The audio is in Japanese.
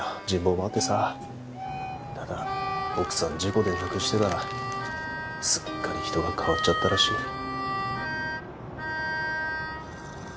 人望もあってさただ奥さん事故で亡くしてからすっかり人が変わっちゃったらしい